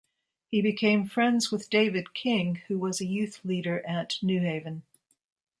He became friends with David King who was a youth leader at Newhaven.